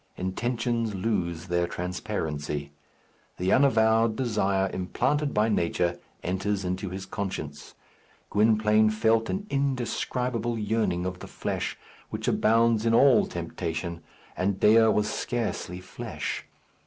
Intentions lose their transparency. The unavowed desire implanted by nature enters into his conscience. Gwynplaine felt an indescribable yearning of the flesh, which abounds in all temptation, and Dea was scarcely flesh.